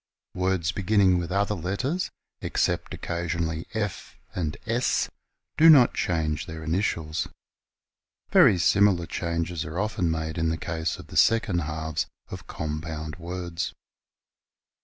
Words beginning with other letters, except occasionally F and S, do not change their initials. Very similar changes are often made in the case of the second halves of compound words.